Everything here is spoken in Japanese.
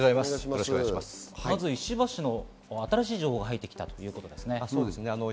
石破氏の新しい情報が入ってきたということですね。